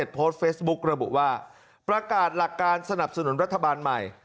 โพสต์เฟซบุ๊กระบุว่าประกาศหลักการสนับสนุนรัฐบาลใหม่